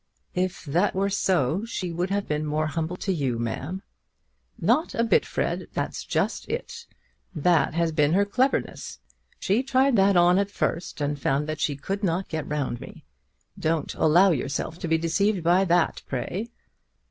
"If that were so, she would have been more humble to you, ma'am." "Not a bit, Fred. That's just it. That has been her cleverness. She tried that on at first, and found that she could not get round me. Don't allow yourself to be deceived by that, I pray.